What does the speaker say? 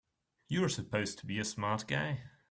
You're supposed to be a smart guy!